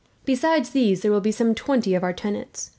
Besides these there will be some twenty of our tenants.